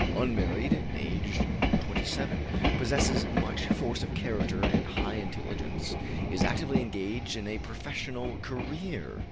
Unmarried, aged 27; possesses much force of character and high intelligence; is actively engaged in a professional career.